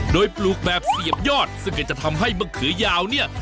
โดยปลูกแบบเสียบยอดซึ่งก็จะทำให้มะเขือยาวเนี่ย